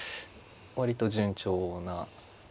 割と順調な。